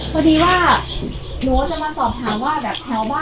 พอดีว่า